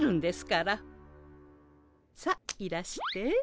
さあいらして。